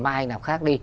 mai anh làm khác đi